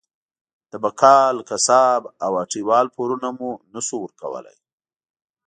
د بقال، قصاب او هټۍ وال پورونه مو نه شو ورکولی.